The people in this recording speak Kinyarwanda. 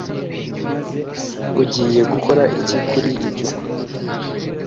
Ugiye gukora iki kuri ibyo